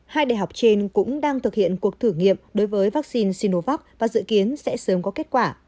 hai đại học trên cũng đang thực hiện cuộc thử nghiệm đối với vaccine sinovac và dự kiến sẽ sớm có kết quả